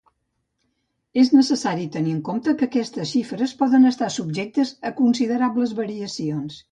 És necessari tenir en compte que aquestes xifres poden estar subjectes a considerables variacions.